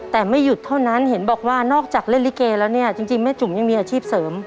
แต่ไม่หยุดเท่านั้นเห็นบอกว่านอกจากเล่นลิเกแล้วเนี่ยจริงแม่จุ๋มยังมีอาชีพเสริม